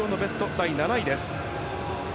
第７位です。